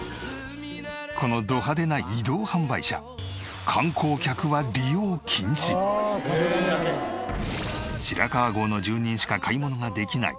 このド派手な移動販売車白川郷の住人しか買い物ができない